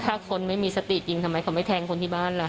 ถ้าคนไม่มีสติยิงทำไมเขาไม่แทงคนที่บ้านล่ะ